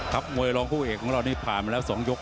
มวยรองคู่เอกของเรานี่ผ่านมาแล้ว๒ยก